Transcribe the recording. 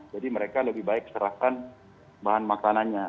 jadi mereka lebih baik serahkan bahan makanannya